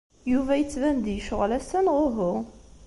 Yuba yettban-d yecɣel ass-a neɣ uhu?